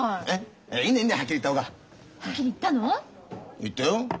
言ったよ。